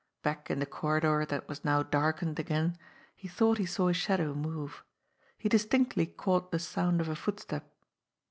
Back in the corridor that was now darkened again he thought he saw a shadow move ; he distinctly caught the sound of a footstep.